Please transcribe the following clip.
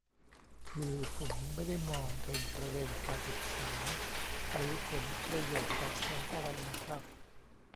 คือผมไม่ได้มองเป็นประเด็นการศึกษาหรือผลประโยชน์ตอบแทนอะไรน่ะครับ